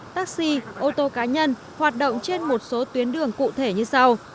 taxi ô tô cá nhân hoạt động trên một số tuyến đường cụ thể như sau